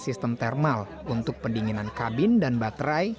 sistem thermal untuk pendinginan kabin dan baterai